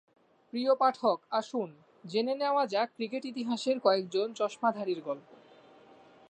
প্রিয় পাঠক আসুন, জেনে নেওয়া যাক ক্রিকেট ইতিহাসের কয়েকজন চশমাধারীর গল্প।